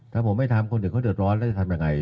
ถ้าผมไม่ทำคนเดี๋ยวเขาเดือดร้อนได้ทำยังไง